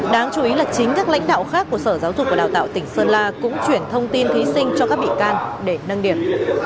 đáng chú ý là chính các lãnh đạo khác của sở giáo dục và đào tạo tỉnh sơn la cũng chuyển thông tin thí sinh cho các bị can để nâng điểm